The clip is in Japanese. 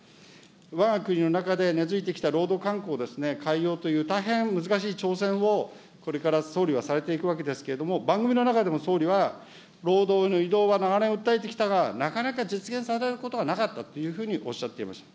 わが国の中で根づいてきた労働慣行を変えようという、大変難しい挑戦を、これから総理はされていくわけですけれども、番組の中でも総理は労働への移動は長年訴えてきたが、なかなか実現されることはなかったというふうにおっしゃっていました。